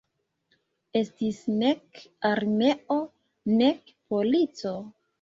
Estis nek armeo nek polico.